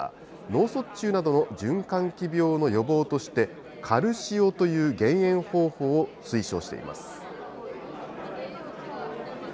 脳卒中などの循環器病の予防として、かるしおという減塩方法を推奨しています。